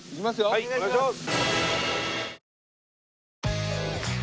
はいお願いします。